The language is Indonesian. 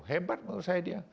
hebat menurut saya dia